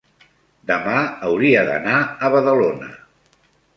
demà hauria d'anar a Badalona.